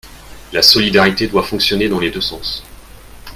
La solidarité doit fonctionner dans les deux sens.